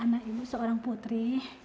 anak ibu seorang putri